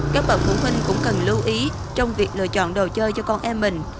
các bậc phụ huynh cũng cần lưu ý trong việc lựa chọn đồ chơi cho con em mình